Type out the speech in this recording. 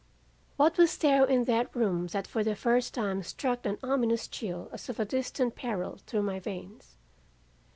"What was there in that room that for the first time struck an ominous chill as of distinct peril through my veins?